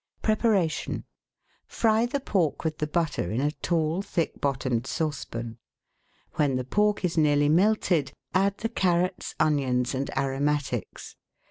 5 oz. of flour. Preparation. — Fry the pork with the butter in a tall, thick bottomed saucepan. When the pork is nearly melted, add the carrots, onions, and aromatics.